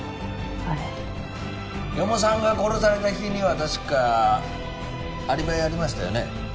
あれ四方さんが殺された日には確かアリバイありましたよね？